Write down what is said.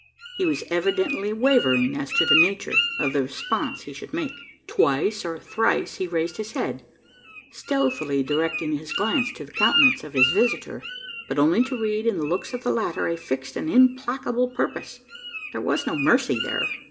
He was evidently wavering, as to the nature of the response he should make. Twice or thrice he raised his head, stealthily directing his glance to the countenance of his visitor; but only to read, in the looks of the latter, a fixed and implacable purpose. There was no mercy there.